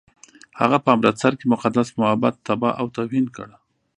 هغه په امرتسر کې مقدس معبد تباه او توهین کړ.